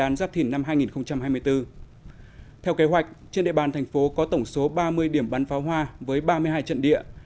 năm hai nghìn một mươi bốn theo kế hoạch trên địa bàn thành phố có tổng số ba mươi điểm bán pháo hoa với ba mươi hai trận địa